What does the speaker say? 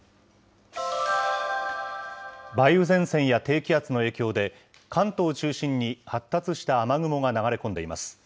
梅雨前線や低気圧の影響で、関東を中心に発達した雨雲が流れ込んでいます。